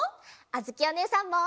あづきおねえさんも！